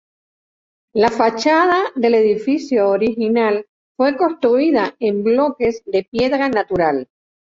La fachada del edificio original fue construida en bloques de piedra natural.